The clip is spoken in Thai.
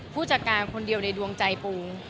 ผู้จัดการคนเดียวในดวงใจปู